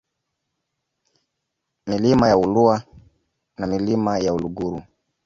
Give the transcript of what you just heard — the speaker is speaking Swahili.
Milima ya Ulua na Milima ya Uluguru